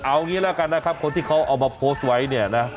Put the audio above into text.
เอางี้แล้วกันนะครับคนที่เขาเอามาโพสต์ไว้เนี่ยนะ